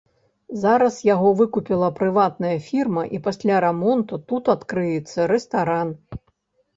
Зараз яго выкупіла прыватная фірма, і пасля рамонту тут адкрыецца рэстаран.